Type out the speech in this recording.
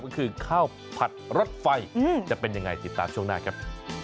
ก็คือข้าวผัดรถไฟจะเป็นยังไงติดตามช่วงหน้าครับ